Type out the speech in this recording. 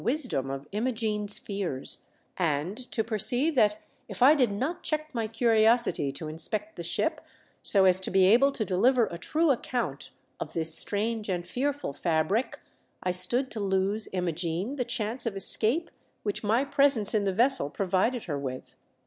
wisdom of Imogene's fears, and to perceive that if I did not check my curiosity to inspect the ship so as to be able to deliver a true account of this strange and fearful fabric, I stood to lose Imogene the chance of escape which my presence in the vessel provided her with.